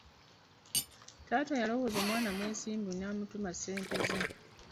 Taata yalowooza omwana mwesimbu n'amutuma ssente ze.